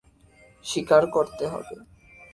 শিকার করতে হবে।